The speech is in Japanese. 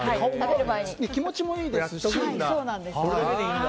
気持ちもいいですしね。